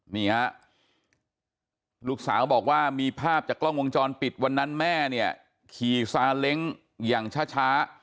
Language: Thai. นี่ฮะลูกสาวบอกว่ามีภาพจากกล้องวงจรปิดวันนั้นแม่เนี่ยขี่ซาเล้งอย่างช้า